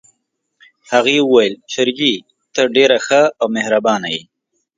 هغې وویل: فرګي، ته ډېره ښه او مهربانه يې.